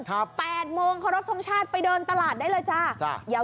น้าเลยคุณ๘นขอรบทมชาติไปเดินตลาดได้เลยจ้า